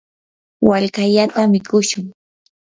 wallkallata mikushun.